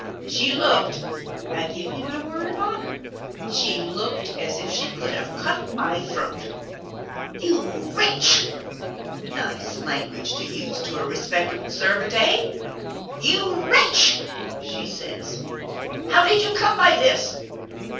She looked I give you my word of honor, she looked as if she could have cut my throat. "You wretch!" nice language to use to a respectable servant, eh? "You wretch" (she says), "how did you come by this?"